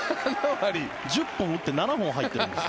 １０本打って７本入ってるんです。